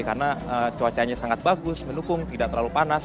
karena cuacanya sangat bagus menukung tidak terlalu panas